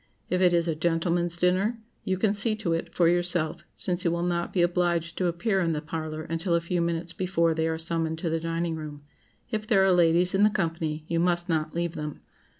If it is a gentleman's dinner, you can see to it for yourself, since you will not be obliged to appear in the parlor until a few minutes before they are summoned to the dining room. If there are ladies in the company, you must not leave them.